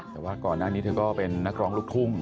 แต่ว่าก่อนหน้านี้เธอก็เป็นนักร้องลูกทุ่ง